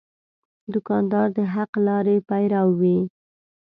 دوکاندار د حق لارې پیرو وي.